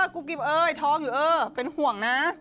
กุ๊บกิ๊บเออไอ้ท้องอยู่เป็นห่วงนะ